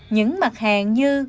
những mặt hàng như